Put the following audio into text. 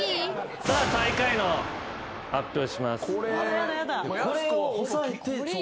さあ最下位の発表をします。